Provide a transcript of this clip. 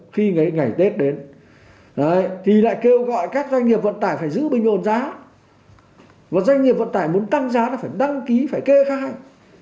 kê khai với ai báo với ai